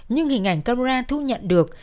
nhưng hình ảnh camera thu nhận được